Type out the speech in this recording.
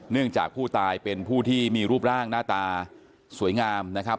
จากผู้ตายเป็นผู้ที่มีรูปร่างหน้าตาสวยงามนะครับ